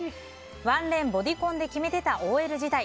ワンレン、ボディコンで決めてたＯＬ時代。